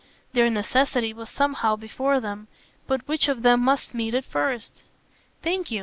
Their necessity was somehow before them, but which of them must meet it first? "Thank you!"